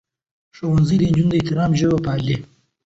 ښوونځی نجونې د احترام ژبه پالي.